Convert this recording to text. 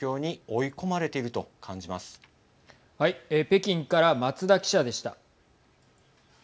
北京から松田記者でした。